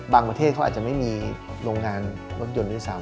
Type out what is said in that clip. ประเทศเขาอาจจะไม่มีโรงงานรถยนต์ด้วยซ้ำ